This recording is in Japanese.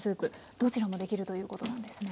どちらもできるということなんですね。